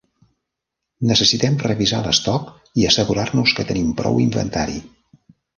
Necessitem revisar l'estoc, i assegurar-nos que tenim prou inventari